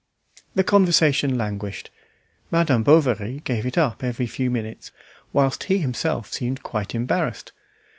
The conversation languished; Madame Bovary gave it up every few minutes, whilst he himself seemed quite embarrassed.